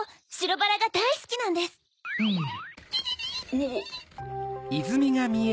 おっ！